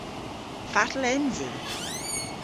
Fatel ens i?